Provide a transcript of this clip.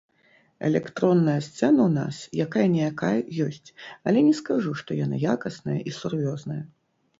Электронная сцэна ў нас, якая-ніякая, ёсць, але не скажу, што яна якасная і сур'ёзная.